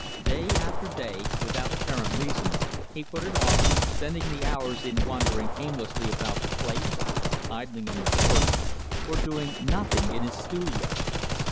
Day after day, without apparent reason, he put it off spending the hours in wandering aimlessly about the place, idling on the porch, or doing nothing in his studio.